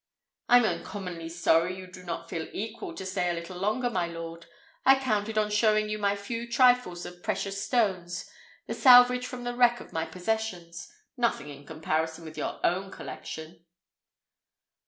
"I'm uncommonly sorry you do not feel equal to staying a little longer, my lord. I counted on showing you my few trifles of precious stones, the salvage from the wreck of my possessions. Nothing in comparison with your own collection."